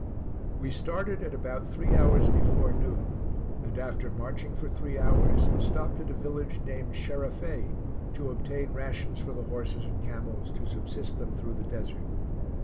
We started at about three hours before noon, and after marching for three hours, stopped at a village named Sheraffey, to obtain rations for the horses and camels to subsist them through the desert.